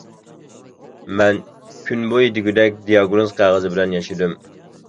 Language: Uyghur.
مەن كۈن بويى دېگۈدەك دىياگنوز قەغىزى بىلەن ياشىدىم.